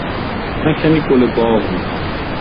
من کمی گل باغ می خواهم.